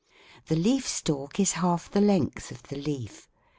The leaf stalk is half the length of the leaf.